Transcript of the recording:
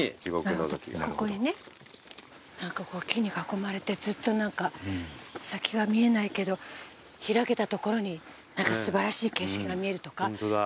こう木に囲まれてずっと先が見えないけど開けた所に素晴らしい景色が見えるとか。